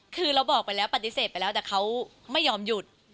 คือเราบอกไปแล้วปฏิเสธไปแล้วแต่เขาไม่ยอมหยุด